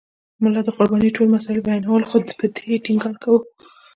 ملا د قربانۍ ټول مسایل بیانول خو پر دې یې ټینګار کاوه.